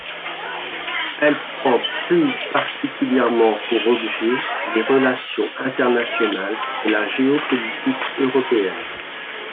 Elle prend plus particulièrement pour objets les relations internationales et la géo-politique européenne.